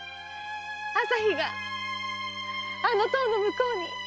朝日があの塔の向こうに！